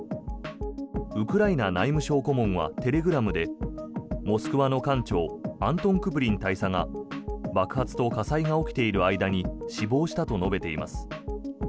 ウクライナ内務省顧問はテレグラムで「モスクワ」の艦長アントン・クプリン大佐が爆発と火災が起きている間に死亡したと述べています。